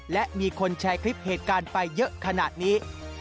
และมีคนแชร์คลิปเหตุการณ์ไปเยอะขนาดนี้